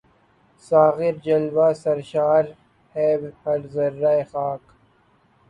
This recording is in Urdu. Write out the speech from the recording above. ساغر جلوۂ سرشار ہے ہر ذرۂ خاک